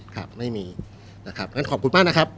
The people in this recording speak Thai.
ครับไม่มีนะครับงั้นขอบคุณมากนะครับ